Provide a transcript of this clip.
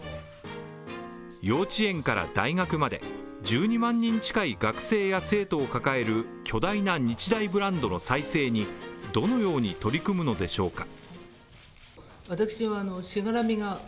幼稚園から大学まで１２万人近い学生や生徒を抱える巨大な日大ブランドの再生にどのように取り組むのでしょうか。